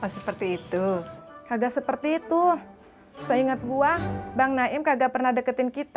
seperti itu agak seperti itu saya ingat gua bang naim kagak pernah deketin kita